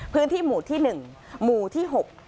พื้นที่หมู่ที่หนึ่งหมู่ที่หก